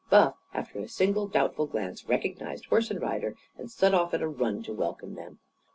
Buff, after a single doubtful glance, recognised horse and rider, and set off at a run to welcome them.